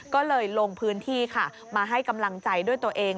ก็เลยลงพื้นที่ค่ะมาให้กำลังใจด้วยตัวเอง